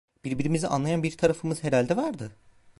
Birbirimizi anlayan bir tarafımız herhalde vardı.